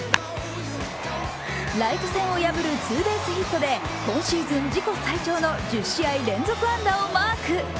ライト線を破るツーベースヒットで今シーズン自己最長の１０試合連続安打をマーク。